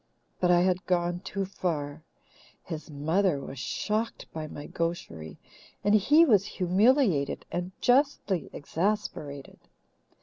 But I had gone too far; his mother was shocked by my gaucherie, and he was humiliated and justly exasperated.